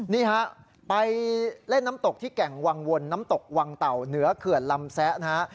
นี่ฮะไปเล่นน้ำตกที่แก่งวังวลน้ำตกวังเต่าเหนือเขื่อนลำแซะนะฮะ